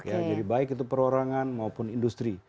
jadi baik itu perorangan maupun industri